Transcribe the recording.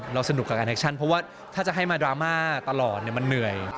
สนุกกับการแอคชั่นเพราะว่าถ้าจะให้มาดราม่าตลอดมันเหนื่อย